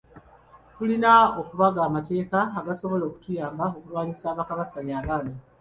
Tulina okubaga amateeka agasobola okutuyamba okulwanyisa abakabasanya abaana.